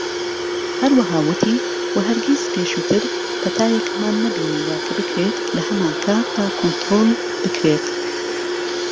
هەروەها ووتی، "و هەرگیز پێشووتر پەتایەکمان نەبینیوە کە بکرێت لە هەمان کاتدا کۆنترۆڵ بکرێت."